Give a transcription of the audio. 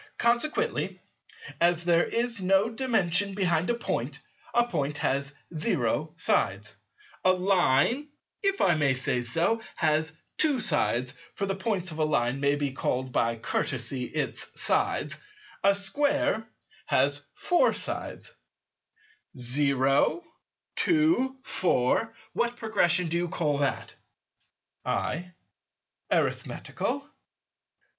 Consequently, as there is no Dimension behind a Point, a Point has 0 sides; a Line, if I may so say, has 2 sides (for the points of a Line may be called by courtesy, its sides); a Square has 4 sides; 0, 2, 4; what Progression do you call that? I. Arithmetical.